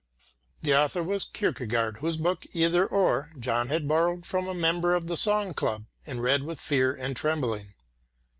The author was Kierkegaard, whose book, Either Or, John had borrowed from a member of the Song Club, and read with fear and trembling.